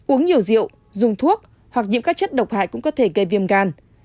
uống nhiều rượu dùng thuốc hoặc nhiễm các chất độc hại cũng có thể gây viêm gan